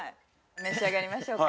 召し上がりましょうか。